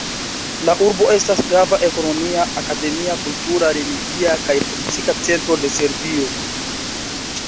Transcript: La urbo estas grava ekonomia, akademia, kultura, religia kaj politika centro de Serbio.